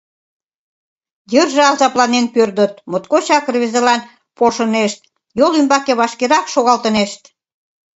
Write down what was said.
Йырже азапланен пӧрдыт, моткочак рвезылан полшынешт, йол ӱмбак вашкерак шогалтынешт.